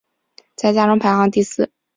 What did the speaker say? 在家中排行第四。